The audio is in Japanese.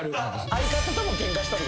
相方ともケンカしとる。